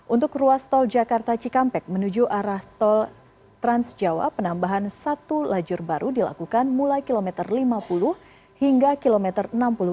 untuk ruas tol jakarta cikampek menuju arah tol transjawa penambahan satu lajur baru dilakukan mulai kilometer lima puluh hingga kilometer enam puluh empat